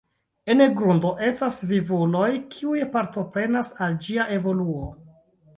En grundo estas vivuloj, kiuj partoprenas al ĝia evoluo.